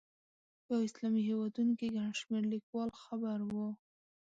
په اسلامي هېوادونو کې ګڼ شمېر لیکوال خبر وو.